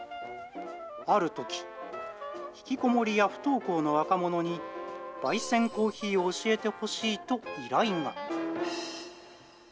あるとき、引きこもりや不登校の若者に、ばい煎コーヒーを教えてほしいと依頼が。